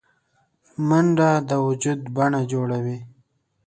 منډه د وجود د بڼه جوړوي